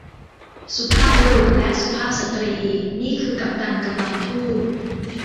สุภาพบุรุษและสุภาพสตรี นี่คือกัปตันกำลังพูด